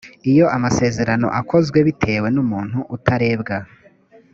iyo amasezerano akozwe bitewe n umuntu utarebwa